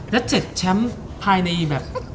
แล้วเจ็ดแชมป์ภายในแบบ๑๐